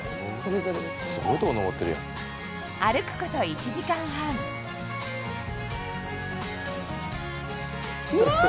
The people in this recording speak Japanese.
歩くこと１時間半うわっ！